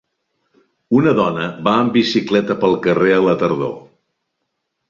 Una dona va en bicicleta pel carrer a la tardor